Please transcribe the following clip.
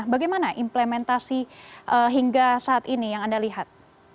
bagaimana implementasi hingga saat ini yang anda lihat